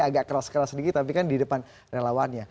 agak keras keras sedikit tapi kan di depan relawannya